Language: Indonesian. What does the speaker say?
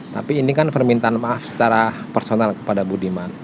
tapi ini kan permintaan maaf secara personal kepada budiman